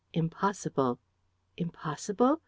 "Impossible." "Impossible?